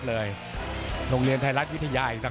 เลยโรงเรียนไทยรัฐ